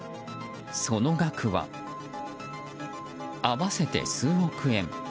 その額は、合わせて数億円。